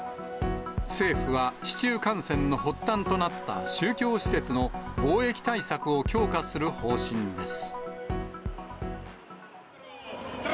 政府は市中感染の発端となった宗教施設の防疫対策を強化する方針です。